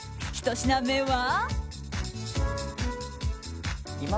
１品目は。